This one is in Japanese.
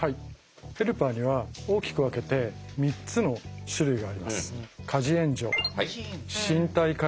ヘルパーには大きく分けて３つの種類があります。